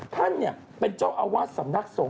ท่านเป็นเจ้าอาวาสสำนักสงฆ